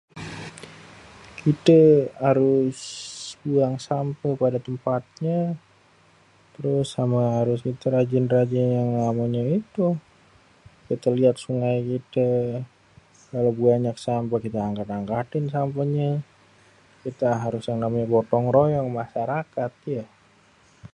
Kite harus buang sampeh pada tempanye trus ame harus rajin-rajin yang namenye itu kita liat sungai kite kalo buanyak sampeh kita angkat-angkatin sampenye, kite harus yang namenye gotong royong ame masarakat iye.